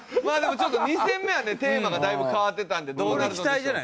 まあでもちょっと２戦目はねテーマがだいぶ変わってたのでどうなるのでしょうか。